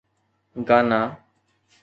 گانا